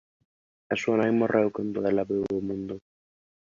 A súa nai morreu cando ela veu ó mundo.